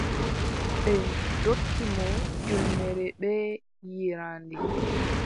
Ɓe ndokki mo ƴulmere bee yeeraande.